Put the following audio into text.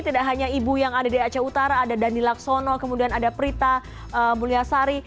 tidak hanya ibu yang ada di aceh utara ada dandi laksono kemudian ada prita mulyasari